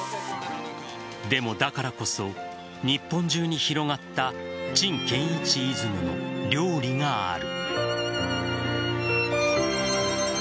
でも、だからこそ日本中に広がった陳建一イズムの料理がある。